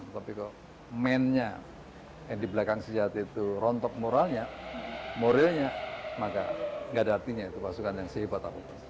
tapi kok mainnya yang di belakang senjata itu rontok moralnya moralnya maka gak ada artinya itu pasukan yang sehebat apapun